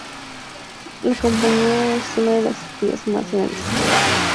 La compañía es una de las diez más grandes de la industria en Alemania.